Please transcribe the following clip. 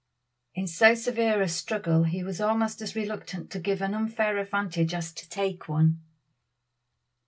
In so severe a struggle he was almost as reluctant to give an unfair advantage as to take one.